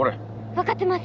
分かってます。